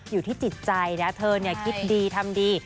อยู่ที่จิตใจนะเธอคิดดีทำดี